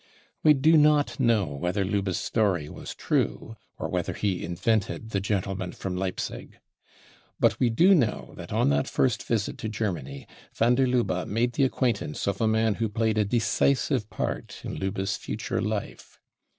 We do not know whether Lubbe' s story was true, or whether he invented the gentleman from Leipzig. But we do know that on that first visit to Germany van der Lubbe made the acquaintance of a man who played a decisive part in Lubbe's future life.